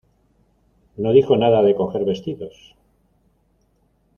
no dijo nada de coger vestidos